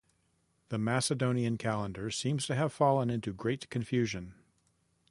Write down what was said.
The Macedonian calendar seems to have fallen into great confusion.